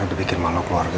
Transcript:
untuk bikin malu keluarga